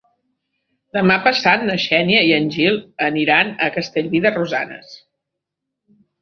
Demà passat na Xènia i en Gil aniran a Castellví de Rosanes.